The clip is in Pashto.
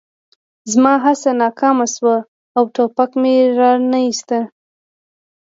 زما هڅه ناکامه شوه او ټوپک مې را نه ایست